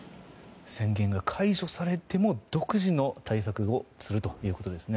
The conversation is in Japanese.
宣言が解除されても独自の対策をするということですね。